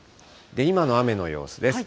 今の雨の様子です。